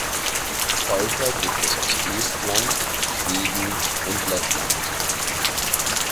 Käufer gibt es aus Estland, Schweden und Lettland.